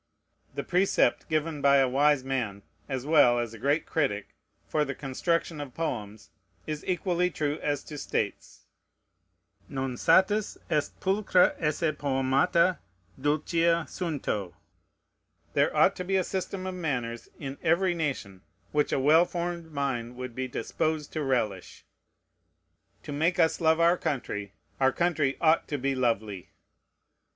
The precept given by a wise man, as well as a great critic, for the construction of poems, is equally true as to states: "Non satis est pulchra esse poemata, dulcia sunto." There ought to be a system of manners in every nation which a well formed mind would be disposed to relish. To make us love our country, our country ought to be lovely.